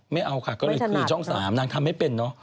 ไม่เอาค่ะก็เลยคือช่อง๓นางทำไม่เป็นเนอะ